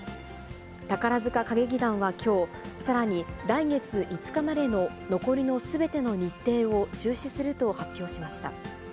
宝塚歌劇団はきょう、さらに来月５日までの残りのすべての日程を中止すると発表しました。